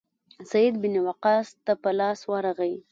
سعد بن وقاص ته په لاس ورغی.